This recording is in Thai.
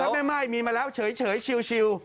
แต่ถ้าแม่ม่ายมีมาแล้วเฉยชิล